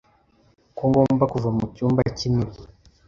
ko ngomba kuva mu cyumba cy’imibu